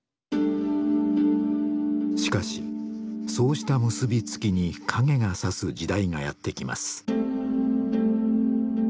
しかしそうした結び付きに影が差す時代がやって来ます。